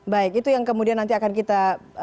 baik itu yang kemudian nanti akan kita